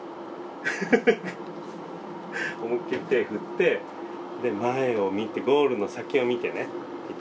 思いっきり手振ってで前を見てゴールの先を見てねいっ